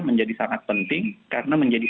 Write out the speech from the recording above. menjadi sangat penting karena menjadi